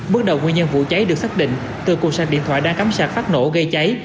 bước đầu nguyên nhân vụ cháy được xác định từ cụ sạc điện thoại đang cắm sạc phát nổ gây cháy